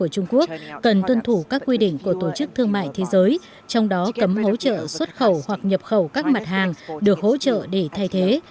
trung quốc cần tuân thủ các quy định của tổ chức thương mại thế giới trong đó cấm hỗ trợ xuất khẩu hoặc nhập khẩu các mặt hàng được hỗ trợ để thay thế